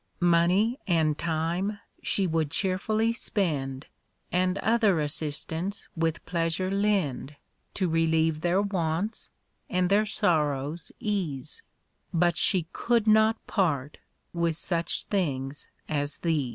Money and time she would cheerfully spend, And other assistance with pleasure lend To relieve their wants and their sorrows ease But she C(nild not part with such things as these.